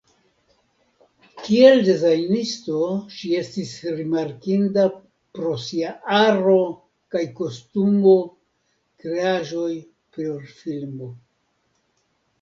Kiel dezajnisto ŝi estis rimarkinda pro sia aro kaj kostumo kreaĵoj por filmo.